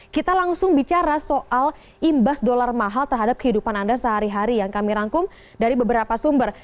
kita langsung bicara soal imbas dollar mahal terhadap kehidupan anda sehari hari yang kami rangkum dari beberapa sumber